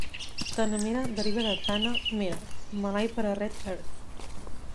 Tanamera deriva de "Tanah Merah", malai per a Red Earth.